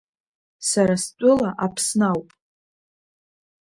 Сара стәыла Аԥсны ауп.